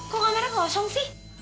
kok kamarnya kosong sih